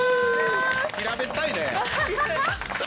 平べったいね。